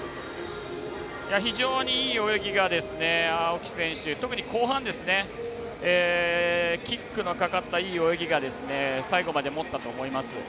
非常にいい泳ぎが青木選手特に後半、キックのかかったいい泳ぎが最後まで、もったと思います。